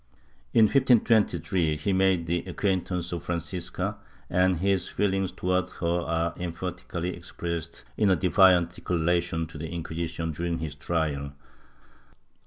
In 1523 he made the acquaintance of Fran cisca and his feelings towards her are emphatically expressed in a defiant declaration to the Inquisition during his trial.